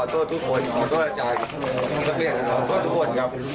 เหตุผลของทุกคน